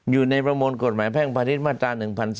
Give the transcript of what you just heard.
อยู่ในประมวลกฎหมายแพ่งพระฤทธิ์มาตรา๑๓๓๒